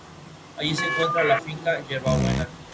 Sus reclamaciones no fueron reconocidas por Francia.